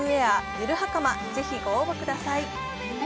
「ゆる袴」、ぜひご応募ください。